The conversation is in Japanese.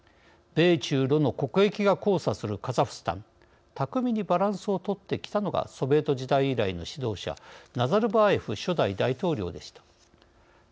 米中ロの国益が交差するカザフスタン巧みにバランスを取ってきたのがソビエト時代以来の指導者ナザルバーエフ初代大統領でした。